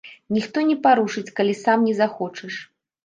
Ніхто не парушыць, калі сам не захочаш.